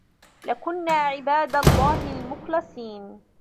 لَكُنّا عِبادَ اللَّهِ المُخلَصينَ